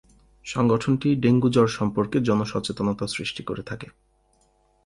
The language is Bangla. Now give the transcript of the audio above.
সংগঠনটি ডেঙ্গু জ্বর সম্পর্কে জনসচেতনতা সৃষ্টি করে থাকে।